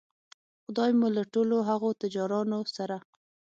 خدای مو له ټولو هغو تجارانو سره